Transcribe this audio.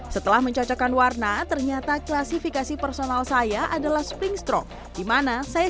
setelah mencocokkan warna ternyata klasifikasi personal saya adalah spring strong dimana saya